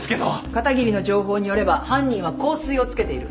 片桐の情報によれば犯人は香水をつけている。